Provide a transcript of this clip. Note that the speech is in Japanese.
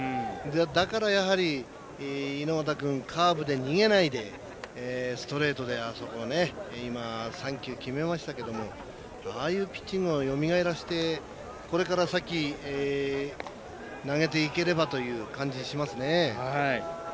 だから猪俣君、カーブで逃げないでストレートで３球決めましたけどもああいうピッチングをよみがえらせて、これから先投げていければという感じしますね。